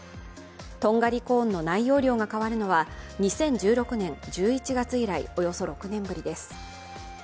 とんがりコーンの内容量が変わるのは２０１６年１１月以来およそ６年ぶりです。